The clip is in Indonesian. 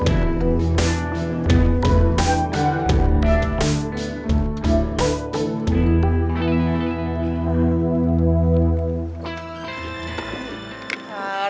kau geliyor lleu berjalan sini